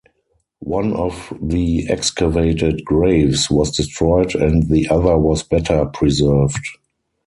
One of the excavated graves was destroyed and the other was better preserved.